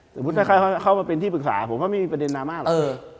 สมมุติถ้าเขามาเป็นที่ปรึกษาผมว่าไม่มีประเด็นมากหรอก